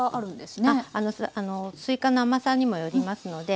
すいかの甘さにもよりますので。